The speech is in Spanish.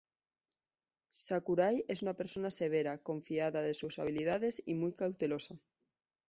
Sakurai es una persona severa, confiada de sus habilidades y muy cautelosa.